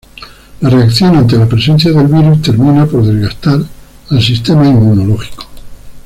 La reacción ante la presencia del virus termina por desgastar al sistema inmunológico.